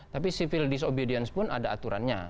tapi civil disobedience pun ada aturannya